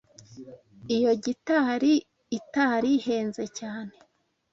iyo gitari itari ihenze cyane